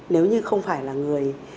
nếu như không phải là người